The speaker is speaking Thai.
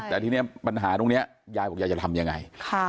แต่ทีนี้ปัญหาตรงนี้ยายบอกยายจะทำยังไง